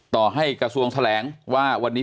ต่อให้กระทรวงแถลงว่าวันนี้